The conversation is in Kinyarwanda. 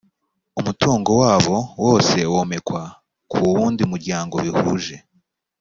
umutungo wabo wose womekwa ku wundi muryango bihuje